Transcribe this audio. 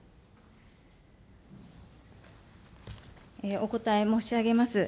お答え申し上げます。